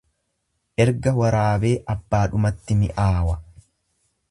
Erga waraabee abbaadhumatti mi'aawa.